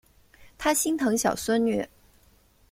他心疼小孙女